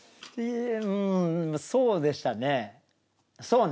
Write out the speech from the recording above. うーん、そうでしたね、ね。